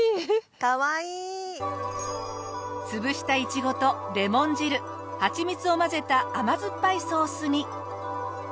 潰したイチゴとレモン汁はちみつを混ぜた甘酸っぱいソースに。